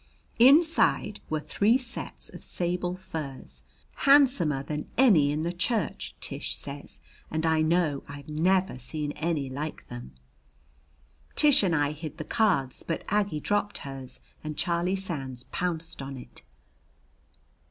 Inside were three sets of sable furs, handsomer than any in the church, Tish says, and I know I've never seen any like them. Tish and I hid the cards, but Aggie dropped hers and Charlie Sands pounced on it.